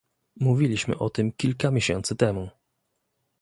Mówiliśmy o tym kilka miesięcy temu